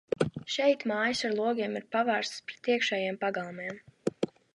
Šeit mājas ar logiem ir pavērstas pret iekšējiem pagalmiem.